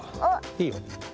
いいよ。